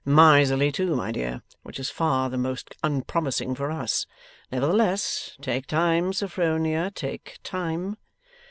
'Miserly too, my dear; which is far the most unpromising for us. Nevertheless, take time, Sophronia, take time.